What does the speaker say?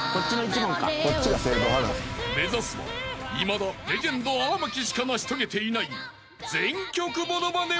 ［目指すはいまだレジェンド荒牧しか成し遂げていない全曲モノマネ